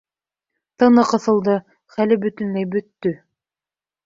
Тыны ҡыҫылды, хәле бөтөнләй бөттө.